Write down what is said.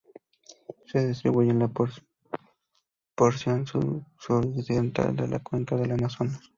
Se distribuye en la porción suroccidental de la cuenca del Amazonas.